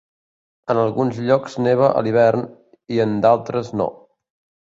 En alguns llocs neva a l'hivern i en d'altres, no.